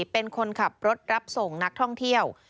เป็นคนขับรถรับส่งนักท่องเที่ยว